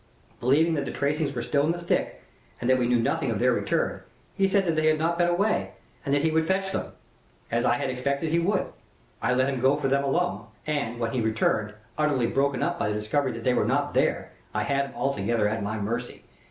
Believing that the tracings were still in the stick and that we knew nothing of their return, he said that they had not been away, and that he would fetch them as I had expected he would. I let him go for them alone, and, when he returned, utterly broken up by the discovery that they were not there, I had him altogether at my mercy.